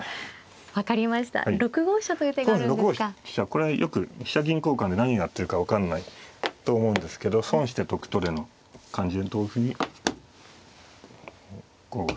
これよく飛車銀交換で何をやってるか分からないと思うんですけど損して得取るような感じで同歩に５五角。